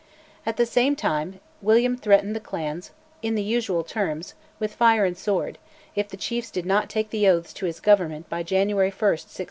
At the same time William threatened the clans, in the usual terms, with "fire and sword," if the chiefs did not take the oaths to his Government by January 1, 1692.